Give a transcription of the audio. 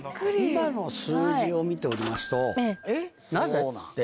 今の数字を見ておりますとえっなぜ？って。